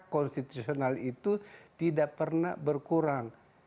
hak hak konstitusional itu tidak pernah berkurang